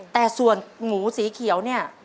แต่ส่วนหมูสีเขียวเนี่ย